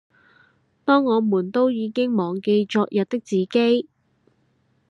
當我們都已經忘記昨日的自己